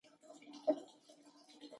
یې په څو شېبو کې پای ته رسوله.